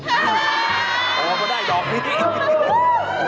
เอามาได้ดอกดี